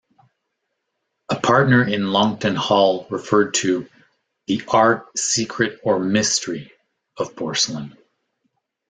A partner in Longton Hall referred to "the Art, Secret or Mystery" of porcelain.